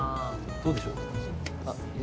どうでしょう？